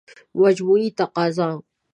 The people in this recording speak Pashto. مجموعي تقاضا